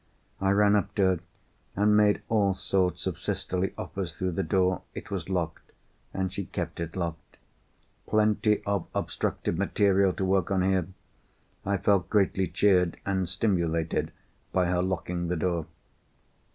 I ran up to her and made all sorts of sisterly offers through the door. It was locked, and she kept it locked. Plenty of obstructive material to work on here! I felt greatly cheered and stimulated by her locking the door.